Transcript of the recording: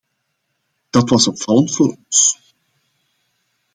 Dat was opvallend voor ons.